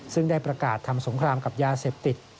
ซึ่งได้ประกาศทำสงครามกับยาเสพติด